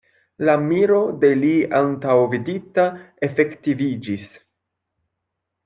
La miro de li antaŭvidita efektiviĝis.